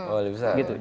oh lebih besar